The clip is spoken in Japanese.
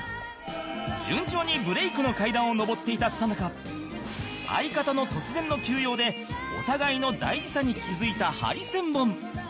順調にブレイクの階段を上っていたさなか相方の突然の休養でお互いの大事さに気づいたハリセンボン